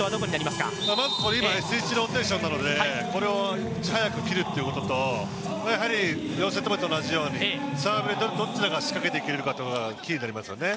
まずローテーションなのでこれを早く切るってことと、４セット目と同じようにどちらが仕掛けていけるかがキーになりますよね。